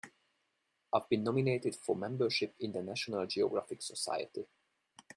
I've been nominated for membership in the National Geographic Society.